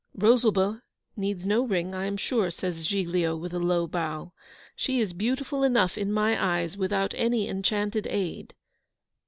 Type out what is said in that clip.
'Rosalba needs no ring, I am sure,' says Giglio, with a low bow. 'She is beautiful enough, in my eyes, without any enchanted aid.